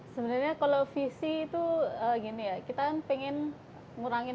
sebenernya kalo visi itu gini yah kita kan pengen ngurangin